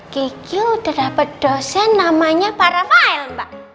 kiki udah dapet dosen namanya para file mbak